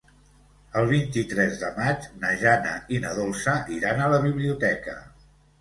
El vint-i-tres de maig na Jana i na Dolça iran a la biblioteca.